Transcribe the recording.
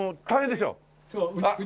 そう。